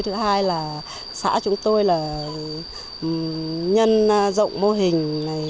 thứ hai là xã chúng tôi là nhân rộng mô hình này